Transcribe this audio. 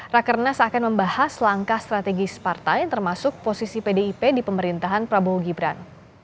rakernas akan membahas langkah strategis partai termasuk posisi pdip di pemerintahan prabowo gibran